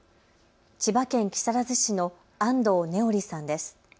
千葉県木更津市の安藤音織さんです。